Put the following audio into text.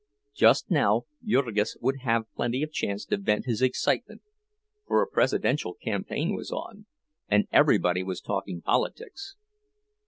Just now Jurgis would have plenty of chance to vent his excitement, for a presidential campaign was on, and everybody was talking politics.